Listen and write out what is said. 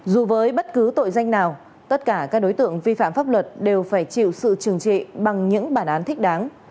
dù với bất cứ tội danh nào tất cả các đối tượng vi phạm pháp luật đều phải chịu sự trừng trị bằng những bản án thích đáng